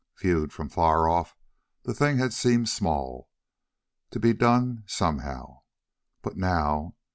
Viewed from far off, the thing had seemed small—to be done somehow. But now!